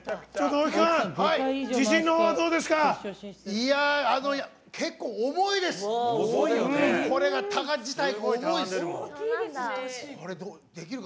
大木君自信の方はどうですか？